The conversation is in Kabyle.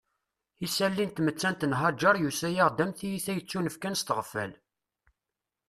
Isalli n tmettant n Haǧer yusa-aɣ-d am tiyita yettunefkayen s tɣeffal